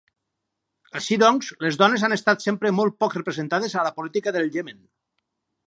Així, doncs, les dones han estat sempre molt poc representades a la política del Iemen.